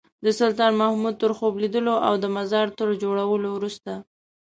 د سلطان محمود تر خوب لیدلو او د مزار تر جوړولو وروسته.